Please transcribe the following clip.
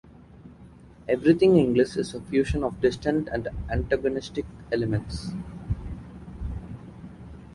Everything English is a fusion of distant and antagonistic elements.